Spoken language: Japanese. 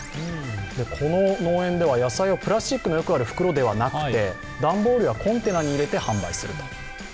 この農園では野菜をプラスチックのよくある袋ではなくて段ボールやコンテナに入れて販売すると。